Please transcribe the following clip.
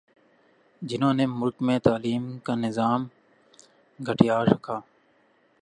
جہنوں نے ملک میں تعلیم کا نظام گٹھیا رکھا